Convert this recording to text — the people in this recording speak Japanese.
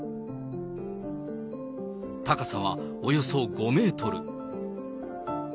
高さはおよそ５メートル。